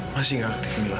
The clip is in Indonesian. masih gak aktif mila